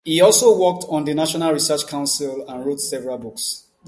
He also worked on the National Research Council and wrote several books.